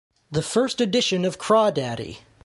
The first edition of Crawdaddy!